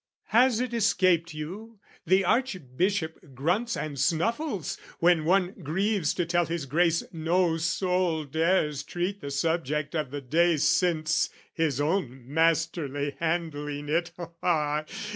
"Has it escaped you the Archbishop grunts "And snuffles when one grieves to tell his Grace "No soul dares treat the subject of the day "Since his own masterly handling it (ha, ha!)